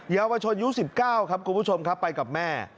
เยาวชนยวอุ้น๑๙ครับคุณผู้ชมค่ะไปกับแม่